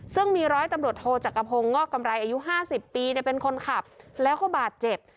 ซึ่งมีร้อยตำรวจโทจักรพงศ์งอกกำไรอายุ๕๐ปีเป็นคนขับแล้วก็บาดเจ็บ